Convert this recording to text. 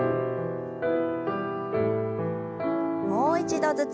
もう一度ずつ。